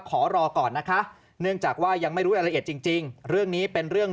ขอรอก่อนนะคะเนื่องจากว่ายังไม่รู้รายละเอียดจริงเรื่องนี้เป็นเรื่อง